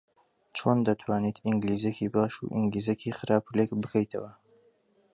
چۆن دەتوانیت ئینگلیزییەکی باش و ئینگلیزییەکی خراپ لێک بکەیتەوە؟